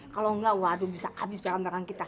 kalau enggak waduh bisa habis barang barang kita